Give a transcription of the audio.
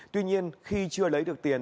tuy nhiên khi chưa lấy được tiền